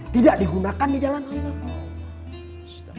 tidak digunakan di jalan allah